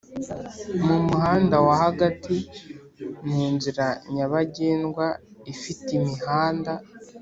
mumuhanda wa hagati munzira nyabagendwa ifite imihanda